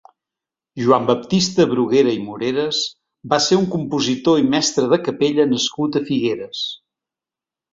Joan Baptista Bruguera i Moreres va ser un compositor i mestre de capella nascut a Figueres.